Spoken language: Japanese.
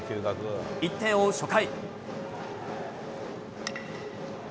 １点を追う初回。